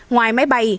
ngoài máy bay